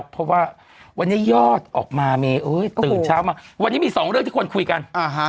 เพราะว่าวันนี้ยอดออกมาเมย์ตื่นเช้ามาวันนี้มีสองเรื่องที่ควรคุยกัน